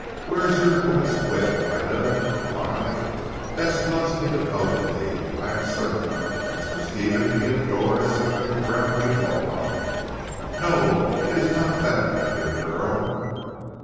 "Where is your women's wit Ida? Why, Bess loves me devotedly I am certain. As for Stephen, he adores the very ground you walk on. No! It's not that my dear girl."